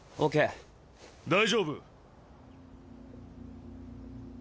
大丈夫。